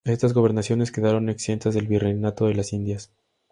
Estas gobernaciones quedaron exentas del virreinato de las Indias.